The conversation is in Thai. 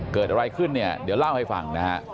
เกิดอะไรขึ้นเนี่ยเดี๋ยวเล่าให้ฟังนะฮะ